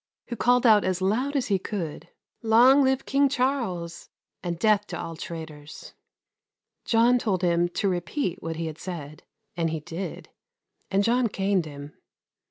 who called out as loud as he could: "Long live King Charles and death to all traitors!" John told him to repeat what he had said, and he did, and John caned him.